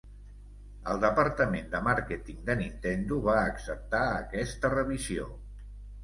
El departament de màrqueting de Nintendo va acceptar aquesta revisió.